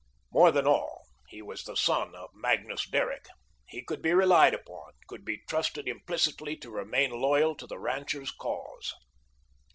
More than all, he was the son of Magnus Derrick; he could be relied upon, could be trusted implicitly to remain loyal to the ranchers' cause.